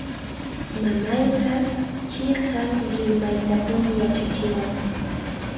Mamayqa chiqan rimaytapuni yachachiwan.